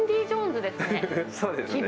そうですね。